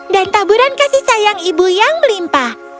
dan taburan kasih sayang ibu yang melimpa